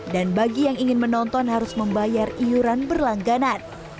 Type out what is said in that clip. dan bagi yang ingin menonton harus membayar iuran berlangganan